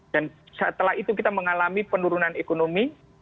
dan setelah itu kita mengalami penurunan ekonomi